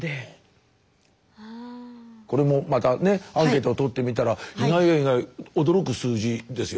これもまたねアンケートをとってみたら意外や意外驚く数字ですよ。